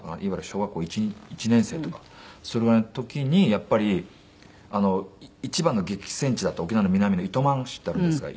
小学校１年生とかそれぐらいの時にやっぱり一番の激戦地だった沖縄の南の糸満市ってあるんですが。